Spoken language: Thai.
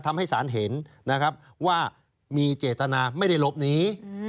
ทำให้สารเห็นว่ามีเจตนาไม่ได้หลบหนี